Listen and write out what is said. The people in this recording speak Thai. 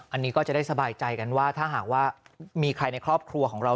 อันนี้ก็จะได้สบายใจกันว่าถ้าหากว่ามีใครในครอบครัวของเรา